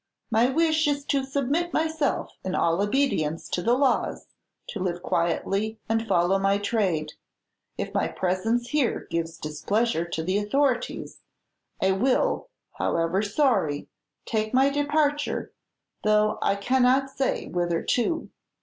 My wish is to submit myself in all obedience to the laws; to live quietly and follow my trade. If my presence here give displeasure to the authorities, I will, however sorry, take my departure, though I cannot say whither to."